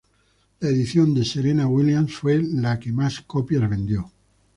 La edición de Serena Williams fue la que más copias vendió.